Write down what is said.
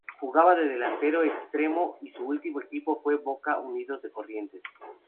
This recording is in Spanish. Jugaba de delantero extremo y su último equipo fue Boca Unidos de Corrientes.